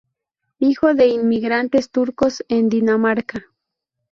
Hijo de inmigrantes turcos en Dinamarca.